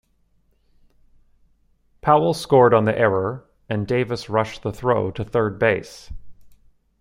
Powell scored on the error, and Davis rushed the throw to third base.